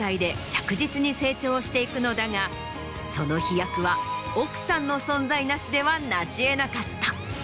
していくのだがその飛躍は奥さんの存在なしではなし得なかった。